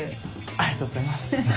ありがとうございます。